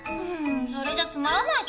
それじゃつまらないかも。